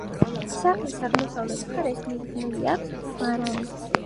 სახლის აღმოსავლეთ მხარეს მიდგმული აქვს მარანი.